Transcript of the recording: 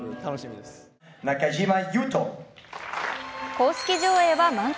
公式上映は満席。